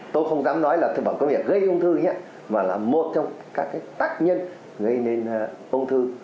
tôi không dám nói là thực phẩm công nghiệp gây ung thư nhé mà là một trong các tác nhân gây nên ung thư